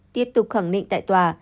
tiếp tục khẳng định tại tòa